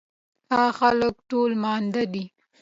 هغه خلک ټول ماندۀ دي